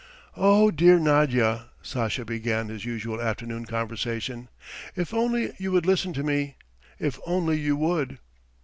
"Oh, dear Nadya!" Sasha began his usual afternoon conversation, "if only you would listen to me! If only you would!"